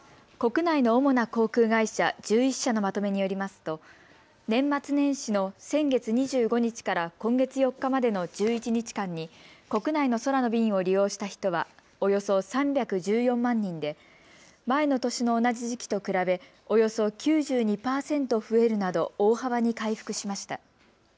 国内の主な航空会社１１社のまとめによりますと年末年始の先月２５日から今月４日までの１１日間に国内の空の便を利用した人はおよそ３１４万人で前の年の同じ時期と比べおよそ９２％増えるなど大幅に回復しました。